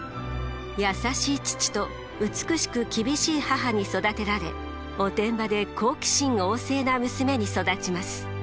優しい父と美しく厳しい母に育てられおてんばで好奇心旺盛な娘に育ちます。